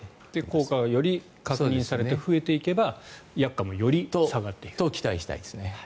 効果がより確認されて増えていけば薬価もより下がっていくと。と、期待したいです。